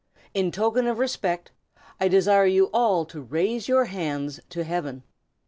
In token of respect, I desire you all to raise your hands to Heaven."